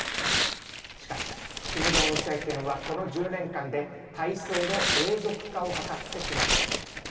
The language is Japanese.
しかしキム・ジョンウン政権はこの１０年間で体制の永続化を図ってきました。